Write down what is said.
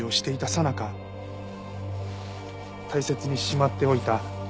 さなか大切にしまっておいた